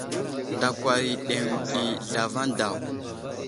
Ndakwar i aɗeŋw ɗi zlavaŋ daw.